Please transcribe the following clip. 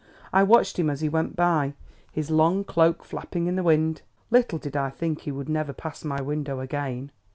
I watched him as he went by, his long cloak flapping in the wind. Little did I think he would never pass my window again."